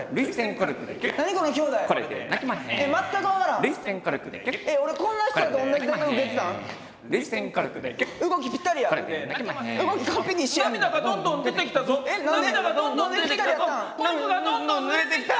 コルクがどんどんぬれてきた！